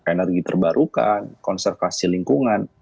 energi terbarukan konservasi lingkungan